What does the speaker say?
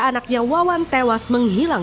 anaknya wawan tewas menghilang